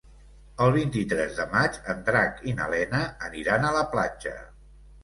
El vint-i-tres de maig en Drac i na Lena aniran a la platja.